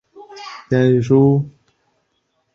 建议书长达万余字。